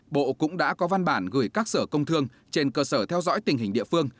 bộ cũng đã có văn bản gửi các sở công thương trên cơ sở theo dõi tình hình địa phương